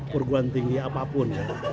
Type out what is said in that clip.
perguruan tinggi apapun ya